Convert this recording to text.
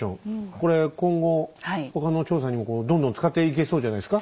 これ今後他の調査にもどんどん使っていけそうじゃないですか？